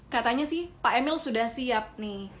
katanya sih pak emil sudah siap nih